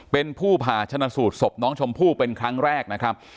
เป็นผู้ผ่าชนะสูตรศพน้องชมพู่เป็นครั้งแรกนะครับ